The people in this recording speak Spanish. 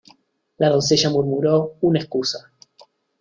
La doncella murmuró una excusa.